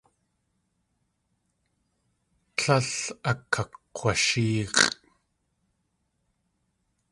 Tlél akakg̲washéex̲ʼ.